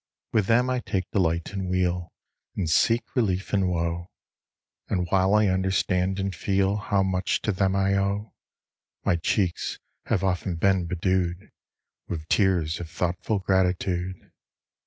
With them I take delight in weal And seek relief in woe; And while I understand and feel How much to them I owe, My cheeks have often been bedew'd With tears of thoughtful gratitude.